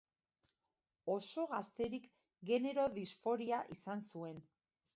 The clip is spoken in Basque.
Oso gazterik genero-disforia izan zuen.